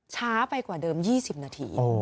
ช้าไปกว่าเดิม๒๐นาที